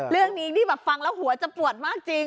เรื่องนี้นี่แบบฟังแล้วหัวจะปวดมากจริง